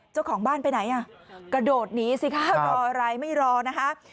เจ้าของบ้านไปไหนอ่ะกระโดดหนีสิคะรออะไรไม่รอนะคะ